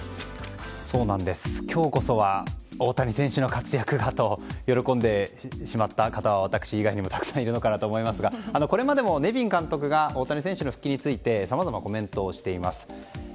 今日こそは大谷選手の活躍がと喜んでしまった方は私以外にもたくさんいるのかなと思いますがこれまでもネビン監督が大谷選手の復帰についてさまざまコメントをしています。